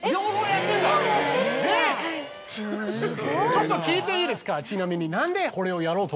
ちょっと聞いていいですかちなみに。